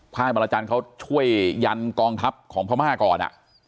ค่ายบังรจันเค้าช่วยยันกองทัพของพระมหากร